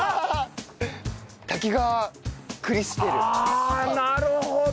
ああなるほど！